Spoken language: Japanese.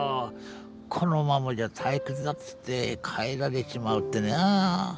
このままじゃ退屈だっつって帰られちまうってな。